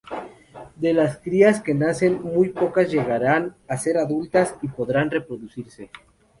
De las crías que nacen, muy pocas llegarán a adultas y podrán reproducirse.